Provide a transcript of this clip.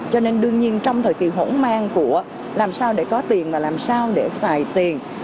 cho nên đương nhiên trong thời kỳ hỗn mang của làm sao để có tiền và làm sao để xài tiền